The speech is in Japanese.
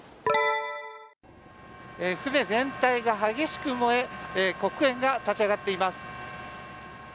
船全体が激しく燃え黒煙が立ち上がっています。